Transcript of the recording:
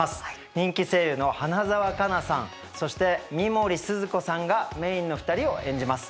人気声優の花澤香菜さんそして三森すずこさんがメインの２人を演じます。